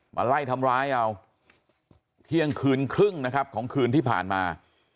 มาไล่ทำร้ายเอาเที่ยงคืนครึ่งนะครับของคืนที่ผ่านมา